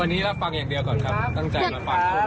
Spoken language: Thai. วันนี้รับฟังอย่างเดียวก่อนครับตั้งใจมาฟัง